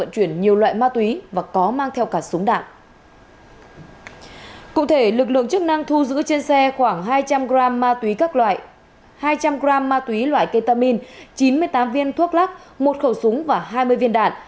chức năng thu giữ trên xe khoảng hai trăm linh g ma túy các loại hai trăm linh g ma túy loại ketamin chín mươi tám viên thuốc lắc một khẩu súng và hai mươi viên đạn